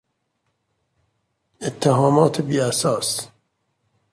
اتهامات بی اساس